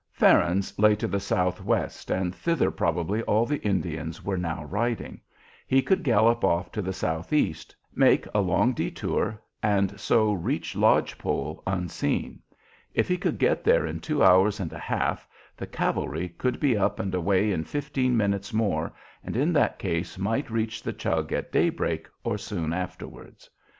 Farron's lay to the southwest, and thither probably all the Indians were now riding. He could gallop off to the southeast, make a long détour, and so reach Lodge Pole unseen. If he could get there in two hours and a half, the cavalry could be up and away in fifteen minutes more, and in that case might reach the Chug at daybreak or soon afterwards.